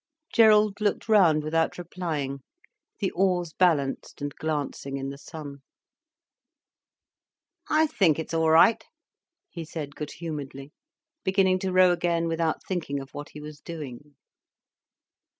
Gerald looked round without replying, the oars balanced and glancing in the sun. "I think it's all right," he said good humouredly, beginning to row again without thinking of what he was doing.